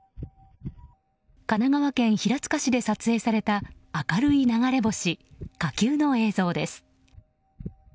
神奈川県平塚市で撮影された明るい流れ星火球の映像です。